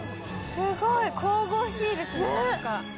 すごい神々しいですね。